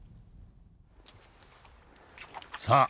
さあ